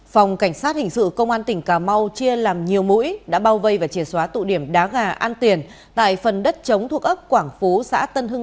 phòng cảnh sát hình sự công an tỉnh cà mau chia làm nhiều mũi đã bao vây và chìa xóa tụ điểm đá gà an tiền tại phần đất chống thuộc an tiền